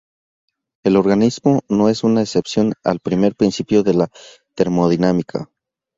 El organismo no es una excepción al primer principio de la termodinámica.